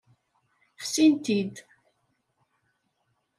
Fsin-t-id.